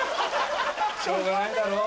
しょうがないだろ。